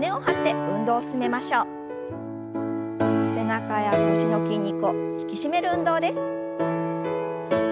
背中や腰の筋肉を引き締める運動です。